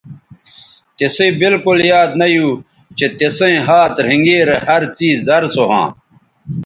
تِسئ بالکل یاد نہ یو چہء تسئیں ھات رھینگیرے ھر څیز زر سو ھواں